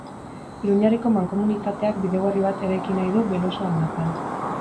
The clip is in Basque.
Iruñerriko mankomunitateak bidegorri bat eraiki nahi du Beloso aldapan